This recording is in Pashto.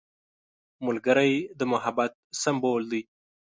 ملګری د محبت سمبول دی